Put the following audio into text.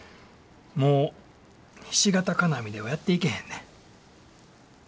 もうひし形金網ではやっていけへんねん。